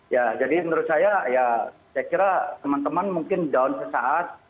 ya jadi menurut saya ya saya kira teman teman mungkin down sesaat